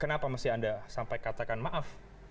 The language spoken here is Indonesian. kenapa masih anda sampai katakan maaf